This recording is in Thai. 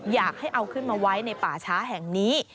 อยากให้เอาขึ้นมาไว้ในป่าช้าแห่งนี้